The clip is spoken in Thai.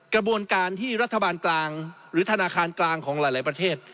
กระบวนการที่รัฐบาลกลางหรือธนาคารกลางของหลายประเทศ